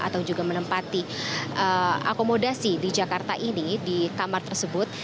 atau juga menempati akomodasi di jakarta ini di kamar tersebut